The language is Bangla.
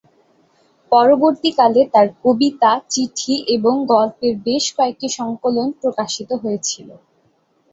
পরবর্তীকালে তার কবিতা, চিঠি এবং গল্পের বেশ কয়েকটি সংকলন প্রকাশিত হয়েছিল।